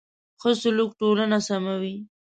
ښه سلوک ټولنه سموي.